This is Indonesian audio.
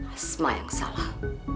asma yang salah